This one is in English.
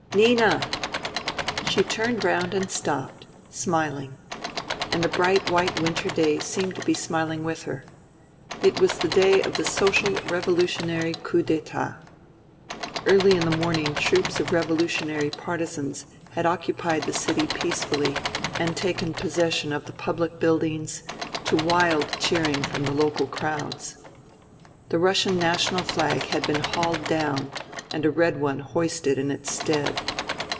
" Nina I " She turned round and stopped, smiling. And the bright white winter day seemed to be smiling with her. It was the day of the Social Revolutionary coup (TStat Early in the morning troops of revolutionary partisans had occupied the city peace fully and taken possession of the public buildings, to wild cheering from the local crowds. The Russian national flag had been hauled down and a red one hoisted in its stead.